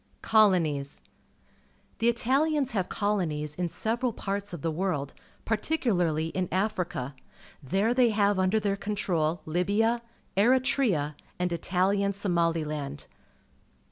Colonies. — The Italians have colonies in several parts of the world, particularly in Africa. There they have under their control Libia, Eritrea, and Italian Somaliland.